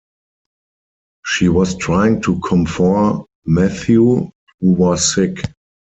She was trying to comfort Mathieu, who was sick.